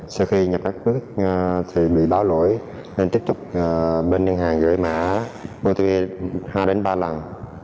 sau khi nhập các bước thì bị báo lỗi nên tiếp tục bên ngân hàng gửi mã bao thuê hai ba lần